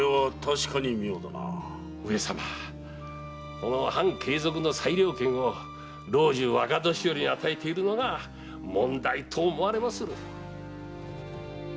この藩継続の裁量権を老中・若年寄に与えているのが問題と思われまする。